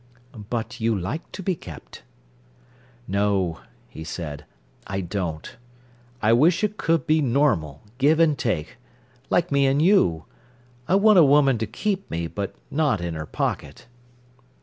"But you like to be kept." "No," he said, "I don't. I wish it could be normal, give and take—like me and you. I want a woman to keep me, but not in her pocket."